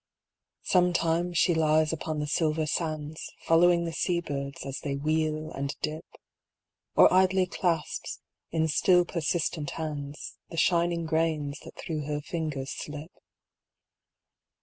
Sometimes she lies upon the silver sands, Following the sea birds, as they wheel and dip ; Or idly clasps, in still persistent hands, The shining grains that through her fingers slip.